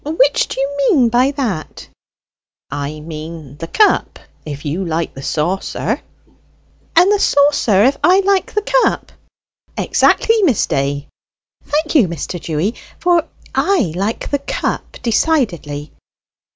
"Which do you mean by that?" "I mean the cup, if you like the saucer." "And the saucer, if I like the cup?" "Exactly, Miss Day." "Thank you, Mr. Dewy, for I like the cup decidedly.